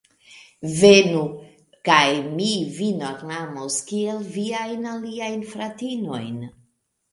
Venu, kaj mi vin ornamos kiel viajn aliajn fratinojn!